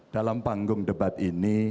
dalam panggung debat ini